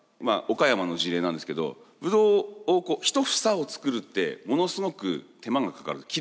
まあ岡山の事例なんですけどブドウを一房を作るってものすごく手間がかかる。